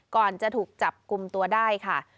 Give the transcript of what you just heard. ก่อนจะถูกจับกลุ่มตัวได้ค่ะ